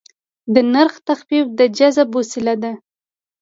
د نرخ تخفیف د جذب وسیله ده.